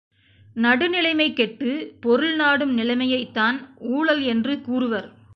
நடுநிலைமை கெட்டுப் பொருள் நாடும் நிலைமையைத் தான் ஊழல் என்று கூறுவர்.